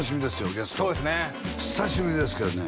ゲストそうですね久しぶりですけどね